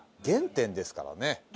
原点ですからね。